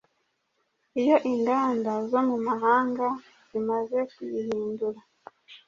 Iyo inganda zo mu mahamga zimaze kuyihindura,